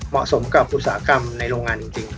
เหมาะสมกับอุตสาหกรรมในโรงงานจริง